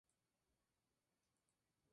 El Paganismo sobre el Cristianismo.